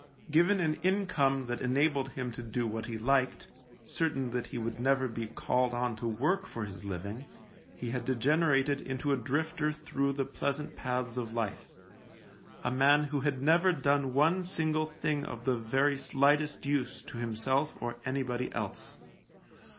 Given an income that enabled him to do what he liked, certain that he would never be called on to work for his living, he I 2 THE LIEUTENANT had degenerated into a drifter through the pleasant paths of life — a man who had never done one single thing of the very slightest use to himself or anybody else.